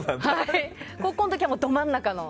高校の時は、ど真ん中の。